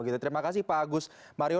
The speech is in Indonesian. terima kasih pak agus mario